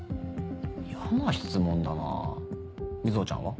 嫌な質問だな瑞穂ちゃんは？